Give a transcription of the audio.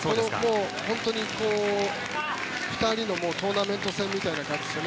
本当に２人のトーナメント戦みたいな感じですね。